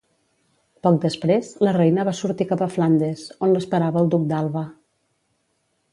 Poc després, la reina va sortir cap a Flandes, on l'esperava el duc d'Alba.